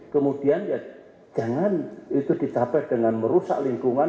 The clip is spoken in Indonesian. kemudian ya jangan itu dicapai dengan merusak lingkungan